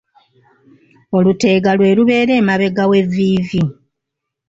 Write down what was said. Oluteega lwe lubeera emabega w'evviivi.